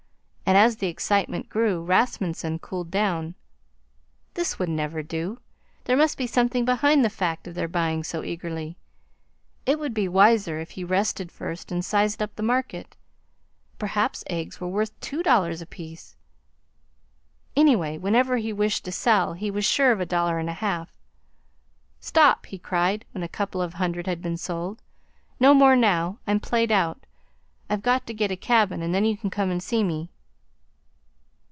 And as the excitement grew, Rasmunsen cooled down. This would never do. There must be something behind the fact of their buying so eagerly. It would be wiser if he rested first and sized up the market. Perhaps eggs were worth two dollars apiece. Anyway, whenever he wished to sell, he was sure of a dollar and a half. "Stop!" he cried, when a couple of hundred had been sold. "No more now. I'm played out. I've got to get a cabin, and then you can come and see me."